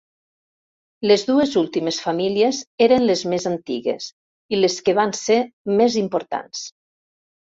Les dues últimes famílies eren les més antigues i les que van ser més importants.